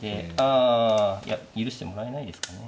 あいや許してもらえないですかね。